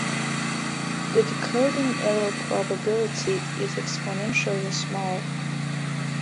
The decoding error probability is exponentially small.